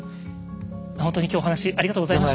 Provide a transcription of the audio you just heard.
本当に今日お話ありがとうございました。